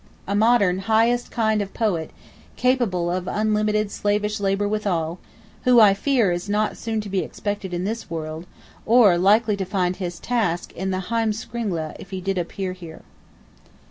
A modern "highest kind of Poet," capable of unlimited slavish labor withal; who, I fear, is not soon to be expected in this world, or likely to find his task in the Heimskringla if he did appear here.